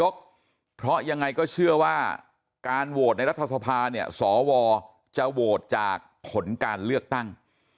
การโหวตในรัฐสภาสวจะโหวตจากผลการเลือกตั้ง